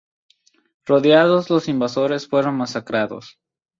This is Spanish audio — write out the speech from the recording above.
Rodeados los invasores fueron masacrados.